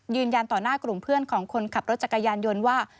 ยืนยันต่อหน้ากลุ่มเพื่อนของคนขับรถจักรยานยนต์ว่า